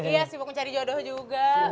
iya sibuk mencari jodoh juga